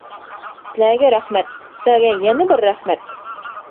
سىلەرگە رەھمەت، سىلەرگە يەنە بىر رەھمەت.